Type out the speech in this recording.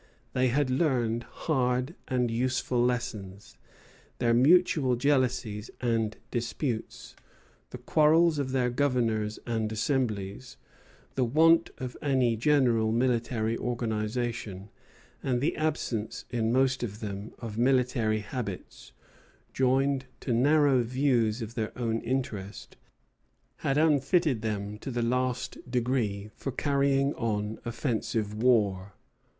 They had learned hard and useful lessons. Their mutual jealousies and disputes, the quarrels of their governors and assemblies, the want of any general military organization, and the absence, in most of them, of military habits, joined to narrow views of their own interest, had unfitted them to the last degree for carrying on offensive war.